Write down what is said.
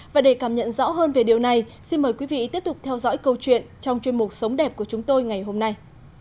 và để cảm nhận rõ hơn về điều này xin mời quý vị tiếp tục theo dõi câu chuyện trong chuyên mục sống đẹp của chúng tôi ngày hôm nay